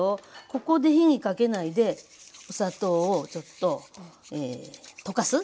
ここで火にかけないでお砂糖をちょっとえ溶かす。